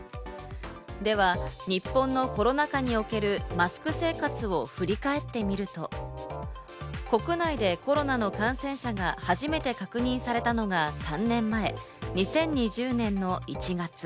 では日本のコロナ禍におけるマスク生活を振り返ってみると、国内でコロナの感染者が初めて確認されたのが３年前、２０２０年の１月。